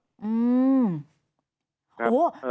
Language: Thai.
อืม